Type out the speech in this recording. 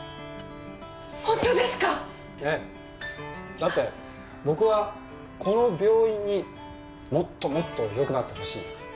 だって僕はこの病院にもっともっとよくなってほしいです。